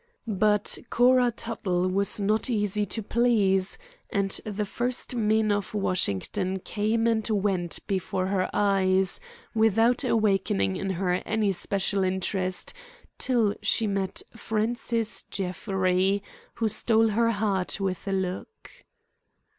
But Cora Tuttle was not easy to please, and the first men of Washington came and went before her eyes without awakening in her any special interest till she met Francis Jeffrey, who stole her heart with a look.